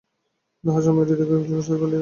তাহার স্বামীর হৃদয়কে কি প্রশস্ত বলিয়াই মনে হইল।